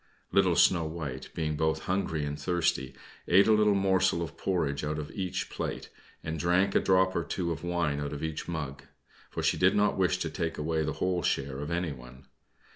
Little Snow White, being both hungry and thirsty, ate a little morsel of porridge out of each plate, and drank a drop or two of wine out of each mug, for she did not wish to take away the whole share of anyone.